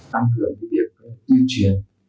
tăng cường việc tiêu chuyển